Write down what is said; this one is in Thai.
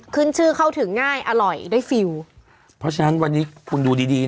ขึ้นชื่อเข้าถึงง่ายอร่อยได้ฟิลเพราะฉะนั้นวันนี้คุณดูดีดี